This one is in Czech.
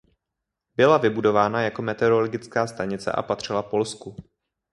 Byla vybudována jako meteorologická stanice a patřila Polsku.